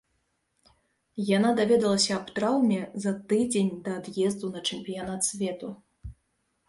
Яна даведалася аб траўме за тыдзень да ад'езду на чэмпіянат свету.